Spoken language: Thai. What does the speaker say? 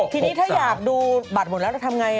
ทีนี้ถ้าอยากดูบัตรหมดแล้วจะทำไง